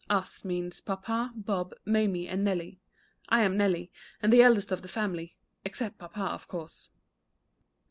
(Us means papa, Bob, Mamie, and Nelly. I am Nelly, and the eldest of the family except papa, of course.)